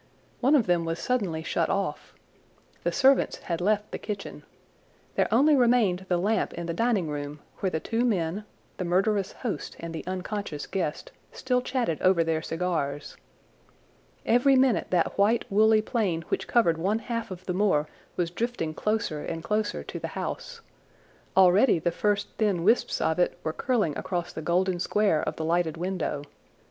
One of them was suddenly shut off. The servants had left the kitchen. There only remained the lamp in the dining room where the two men, the murderous host and the unconscious guest, still chatted over their cigars. Every minute that white woolly plain which covered one half of the moor was drifting closer and closer to the house. Already the first thin wisps of it were curling across the golden square of the lighted window.